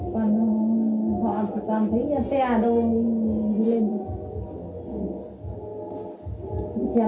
còn họ tạm thấy xe đôi đi lên